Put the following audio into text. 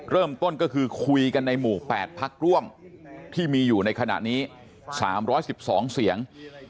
เริ่มต้นก็คือคุยกันในหมู่๘พักร่วมที่มีอยู่ในขณะนี้๓๑๒เสียง